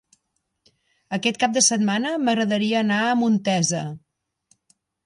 Aquest cap de setmana m'agradaria anar a Montesa.